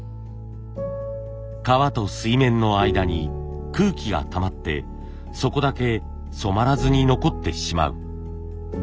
革と水面の間に空気がたまってそこだけ染まらずに残ってしまう。